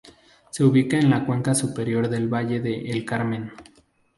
Se ubica en la cuenca superior del Valle de El Carmen.